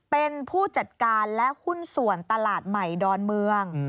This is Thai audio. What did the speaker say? เป็นผู้จัดการและหุ้นส่วนตลาดใหม่ดอนเมือง